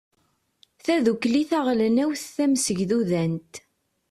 tadukli taɣelnawt tamsegdudant